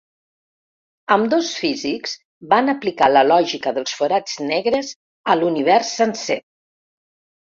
Ambdós físics van aplicar la lògica dels forats negres a l’univers sencer.